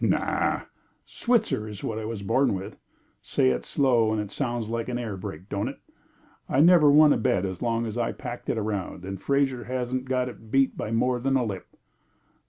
"Naw! Switzer is what I was born with. Say it slow and it sounds like an air brake, don't it? I never won a bet as long as I packed it around, and Fraser hasn't got it beat by more than a lip."